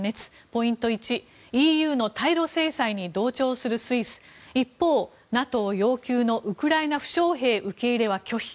ポイント１ＥＵの対露制裁に同調するスイス一方、ＮＡＴＯ要求のウクライナ負傷兵受け入れは拒否。